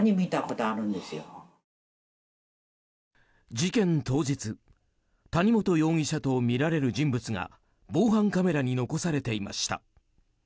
事件当日谷本容疑者とみられる人物が防犯カメラに残されていました。